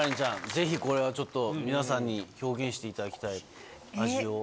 ぜひこれは皆さんに表現していただきたい味を。